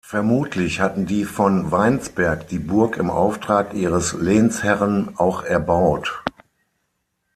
Vermutlich hatten die von Weinsberg die Burg im Auftrag ihres Lehnsherren auch erbaut.